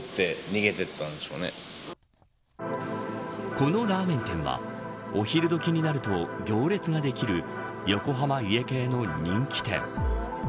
このラーメン店はお昼どきになると行列ができる横浜家系の人気店。